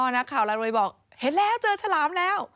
นักข่าวรัฐเลยบอกเห็นแล้วเจอฉลามแล้ว